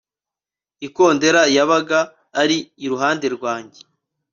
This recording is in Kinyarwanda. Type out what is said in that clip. ikondera yabaga ari iruhande rwanjye